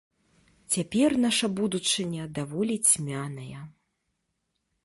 Цяпер наша будучыня даволі цьмяная.